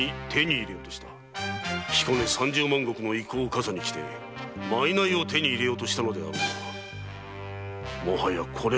彦根三十万石の威光をカサに着て賂を手に入れようとしたのであろうがもはやこれまでだ！